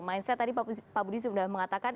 mindset tadi pak budi sudah mengatakan